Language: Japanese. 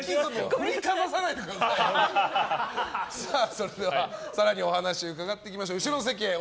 それでは更にお話伺っていきましょう。